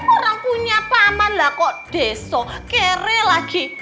orang punya paman lah kok besok kere lagi